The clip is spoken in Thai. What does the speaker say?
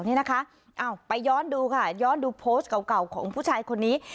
นี่นะคะไปย้อนดูค่ะย้อนดูโพสต์เก่าของผู้ชายคนนี้